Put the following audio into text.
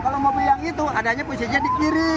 kalau mobil yang itu adanya posisinya di kiri